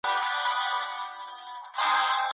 د هغه ږغ زما د ساه خاوند دی